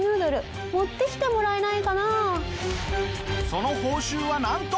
その報酬はなんと！